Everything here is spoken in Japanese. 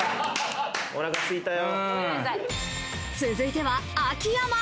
続いては秋山。